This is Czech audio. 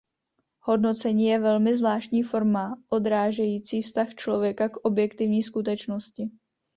Hodnocení je velmi zvláštní forma odrážející vztah člověka k objektivní skutečnosti.